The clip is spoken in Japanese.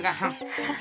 ハハハ